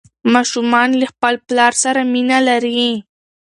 ماشوم له خپل پلار سره مینه لري.